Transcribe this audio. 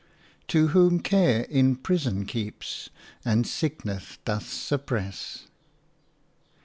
V"You whom care in prison keeps, And sickness doth suppress."